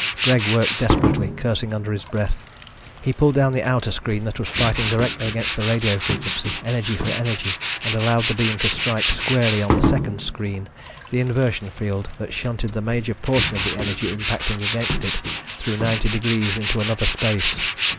Greg worked desperately, cursing under his breath. He pulled down the outer screen that was fighting directly against the radio frequency, energy for energy, and allowed the beam to strike squarely on the second screen, the inversion field that shunted the major portion of the energy impacting against it through 90 degrees into another space.